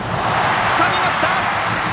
つかみました！